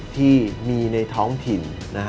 ที่มีในท้องถิ่น